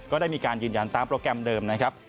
ได้มีการยืนยันตามโปรแกรมเดิมนะครับ